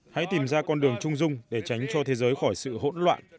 hãy tìm ra con đường trung dung để tránh cho thế giới khỏi sự hỗn loạn